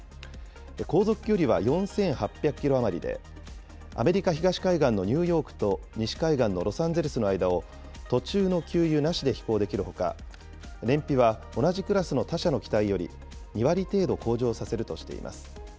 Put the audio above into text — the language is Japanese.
航続距離は４８００キロ余りで、アメリカ東海岸のニューヨークと西海岸のロサンゼルスの間を、途中の給油なしで飛行できるほか、燃費は同じクラスの他社の機体より２割程度向上させるとしています。